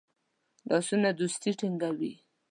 لاسونه دوستی ټینګوي